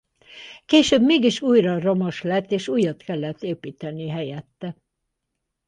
Később mégis újra romos lett és újat kellett építeni helyette.